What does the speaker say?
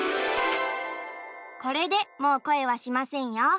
これでもうこえはしませんよ。